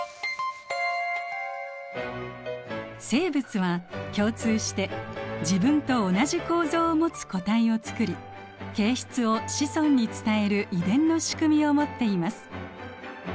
生物は共通して自分と同じ構造を持つ個体をつくり形質を子孫に伝える遺伝の仕組みを持っています。